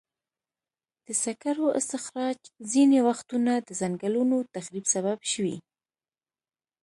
د سکرو استخراج ځینې وختونه د ځنګلونو تخریب سبب شوی.